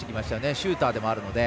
シューターでもあるので。